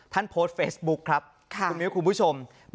ท่านโพสต์เฟซบุ๊กครับคุณผู้ชมค่ะค่ะ